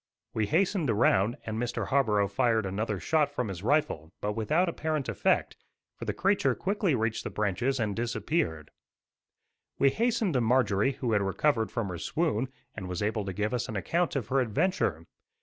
We hastened around, and Mr. Harborough fired another shot from his rifle, but without apparent effect, for the creature quickly reached the branches and disappeared. We hastened to Marjorie who had recovered from her swoon, and was able to give us an account of her adventure.